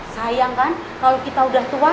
sayang kan kalau kita udah tua